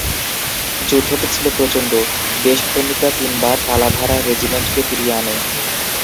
যুদ্ধটি ছিল প্রচণ্ড, দেশপ্রেমিকরা তিনবার তালাভারা রেজিমেন্টকে ফিরিয়ে আনে।